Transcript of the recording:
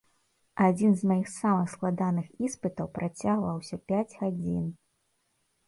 Адзін з маіх самых складаных іспытаў працягваўся пяць гадзін.